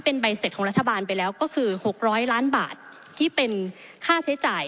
เป็นใบเสร็จของรัฐบาลไปแล้วก็คือ๖๐๐ล้านบาทที่เป็นค่าใช้จ่าย